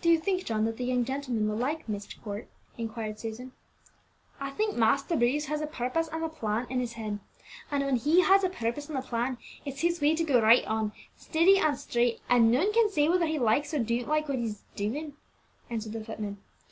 "Do you think, John, that the young gentlemen will like Myst Court?" inquired Susan. "I think Master Bruce has a purpose and a plan in his head; and when he has a purpose and a plan, it's his way to go right on, steady and straight, and none can say whether he likes or don't like what he's a doing," answered the footman.